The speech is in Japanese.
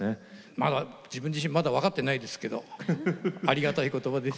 まだ自分自身まだ分かってないですけどありがたい言葉です。